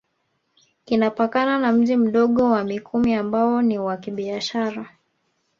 Kinapakana na Mji Mdogo wa Mikumi ambao ni wa kibiashara